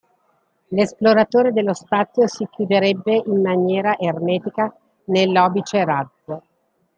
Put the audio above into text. L'esploratore dello spazio si chiuderebbe in maniera ermetica nell'obice-razzo.